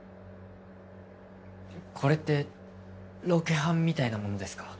これってロケハンみたいなものですか？